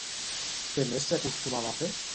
Què més s'hi acostumava a fer?